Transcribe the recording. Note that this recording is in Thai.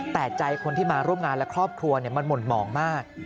แต่ใจคนที่มาร่วมงานและครอบครัวมันหม่นหมองมาก